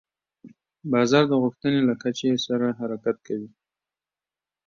بازار د غوښتنې له کچې سره حرکت کوي.